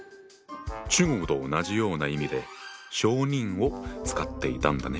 中国と同じような意味で小人を使っていたんだね。